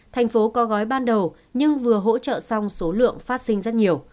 thành phố có gói ban đầu nhưng vừa hỗ trợ xong số lượng phát sinh rất nhiều